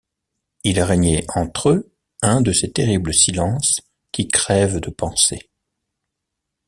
Il régnait entre eux un de ces terribles silences qui crèvent de pensées.